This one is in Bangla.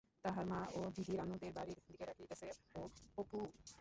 তাহার মা ও দিদি রানুদের বাড়ির দিকে ডাকিতেছে-ও অপু-উ-উ!